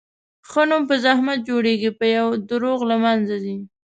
ښه نوم په زحمت جوړېږي، په یوه دروغ له منځه ځي.